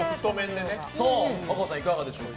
和歌子さん、いかがでしょうか。